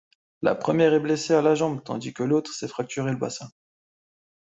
La première est blessée à la jambe tandis que l'autre s'est fracturée le bassin.